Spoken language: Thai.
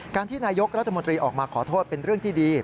ที่นายกรัฐมนตรีออกมาขอโทษเป็นเรื่องที่ดี